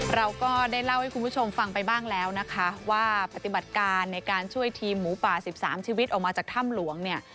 เราก็ได้เล่าให้คุณผู้ชมฟังไปบ้างแล้วนะคะว่าปฏิบัติการในการช่วยทีมหมูป่า๑๓ชีวิตออกมาจากถ้ำหลวงเนี่ย